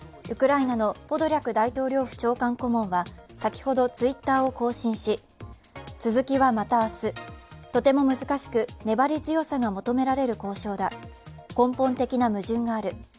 ウクライナのポドリャク大統領府長官顧問は、先ほどＴｗｉｔｔｅｒを更新し、続きはまた明日、とても難しく粘り強さが求められる交渉だ、根本的な矛盾がある。